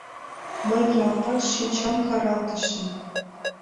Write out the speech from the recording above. Мый ялтак шинчам каралтышым.